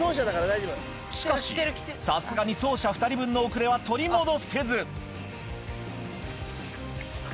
しかし、さすがに走者２人分の遅れは取り戻せず。